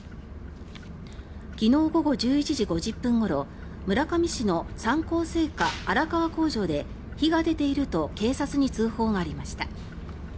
昨日午後１１時５０分ごろ村上市の三幸製菓荒川工場で火が出ていると警察に通報がありました。